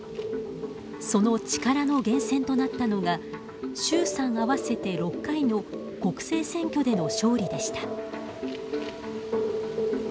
その力の源泉となったのが衆参合わせて６回の国政選挙での勝利でした。